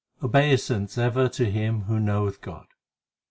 Obeisance ever to him who knoweth God